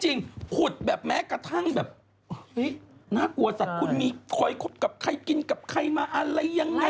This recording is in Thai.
ผุดแบบแม้กระทั่งแบบเฮ้ยน่ากลัวสัตว์คุณมีคอยคบกับใครกินกับใครมาอะไรยังไง